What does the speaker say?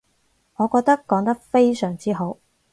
我覺得講得非常之好